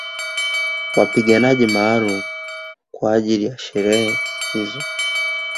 Wapiganaji maalumu kwa ajili ya sherehe hizo